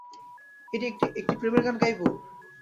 একটি প্রেমের গান গাইব?